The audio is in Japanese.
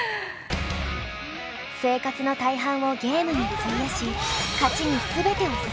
生活の大半をゲームに費やし